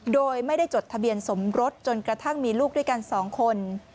โดยไม่ได้จดทะเบียนสมรสจนกระทั่งมีลูกด้วยกัน๒คน